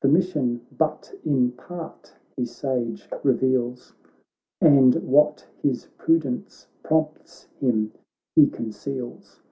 The mission but in part he sage reveals. And what his prudence prompts him he conceals.